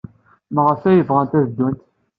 Maɣef ay bɣant ad ddunt?